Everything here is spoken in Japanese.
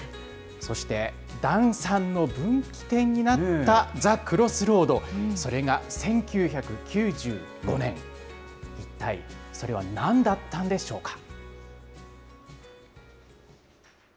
そして檀さんの分岐点になったＴｈｅＣｒｏｓｓｒｏａｄ、それが１９９５年、一体それはなんだったんでしょうか。